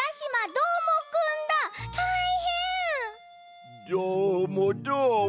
どーもどーも。